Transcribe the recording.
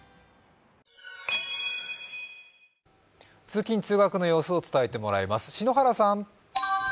通勤・通学の様子を伝えてもらいます。